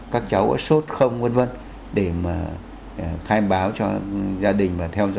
các cháu ở sốt không vân vân